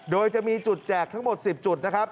โดยจะมีจุดแจกทั้งหมด๑๐จุดนะครับ